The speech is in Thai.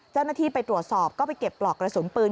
เจ้าหน้าที่ไปตรวจสอบก็ไปเก็บปลอกกระสุนปืน